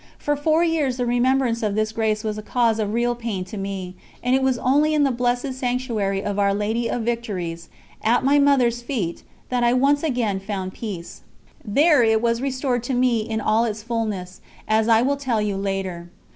For four years the remembrance of this grace was a cause of real pain to me, and it was only in the blessed sanctuary of Our Lady of Victories, at my Mother's feet, that I once again found peace. There it was restored to me in all its fulness, as I will tell you later.